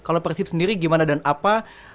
kalau persib sendiri gimana dan apa